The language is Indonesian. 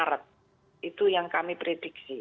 dan puncaknya di februari